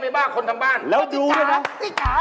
มากรอบเหรอวะบอกไปเลยว่า